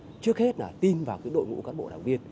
đảng trước hết là tin vào đội ngũ cán bộ đảng viên